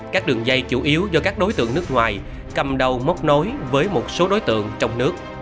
các đường dây chủ yếu do các đối tượng nước ngoài cầm đầu móc nối với một số đối tượng trong nước